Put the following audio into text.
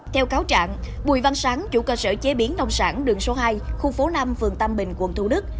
theo cáo trạng bùi văn sáng chủ cơ sở chế biến nông sản đường số hai khu phố năm phường tâm bình quận thủ đức